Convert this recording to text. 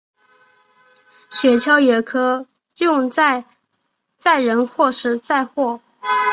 雪橇也可用在载人或是载货。